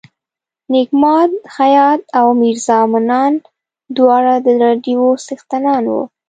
نیک ماد خیاط او میرزا منان دواړه د راډیو څښتنان وو.